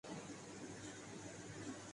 آپ کی طویل خاموشی کی کیا وجہ ہے؟